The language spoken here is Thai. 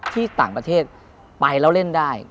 ที่ต่างประเทศไปแล้วเล่นได้